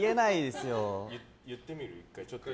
言ってみる？